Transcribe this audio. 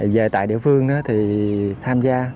về tại địa phương thì tham gia